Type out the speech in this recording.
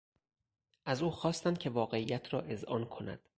از او خواستند که واقعیت را اذعان کند.